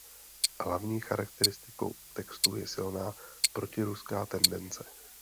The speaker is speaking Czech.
Hlavní charakteristikou textu je silná protiruská tendence.